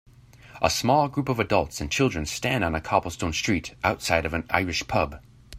A small group of adults and children stand on a cobblestone street outside of an Irish pub.